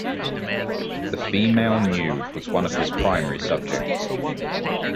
The female nude was one of his primary subjects.